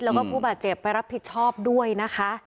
แล้วก็ผู้บาดเจ็บไปรับผิดชอบด้วยนะคะ